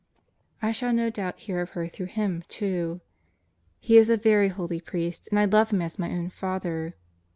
I shall no doubt hear of her through him, too. He is a very holy priest. I love him as my own father.